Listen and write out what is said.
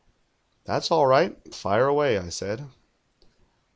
"That's all right. Fire away," I said.